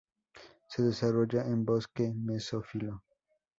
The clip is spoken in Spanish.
Se desarrolla en bosque mesófilo.